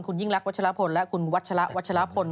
คุณยิ่งรักวัชลพลและคุณวัชละวัชลพล